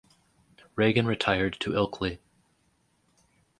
Regan retired to Ilkley.